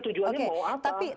tujuannya mau apa